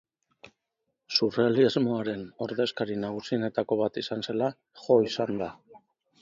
Surrealismoaren ordezkari nagusienetako bat izan zela jo izan da.